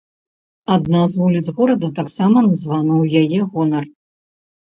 Адна з вуліц горада таксама названа ў яе гонар.